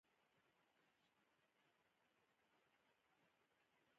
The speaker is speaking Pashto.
جبران به يې بيا هېڅ کله ممکن نه وي.